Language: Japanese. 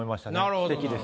すてきです。